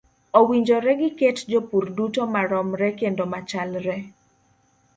Owinjore giket jopur duto maromre kendo machalre.